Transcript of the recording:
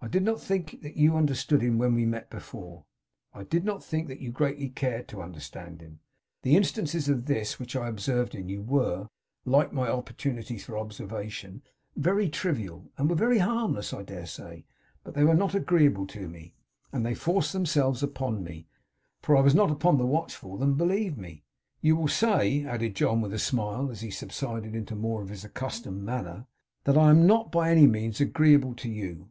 I did not think that you understood him when we met before. I did not think that you greatly cared to understand him. The instances of this which I observed in you were, like my opportunities for observation, very trivial and were very harmless, I dare say. But they were not agreeable to me, and they forced themselves upon me; for I was not upon the watch for them, believe me. You will say,' added John, with a smile, as he subsided into more of his accustomed manner, 'that I am not by any means agreeable to you.